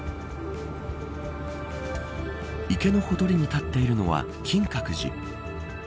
池のほとりに建っているのは金閣寺。